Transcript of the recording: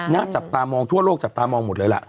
จับตามองทั่วโลกจับตามองหมดเลยล่ะ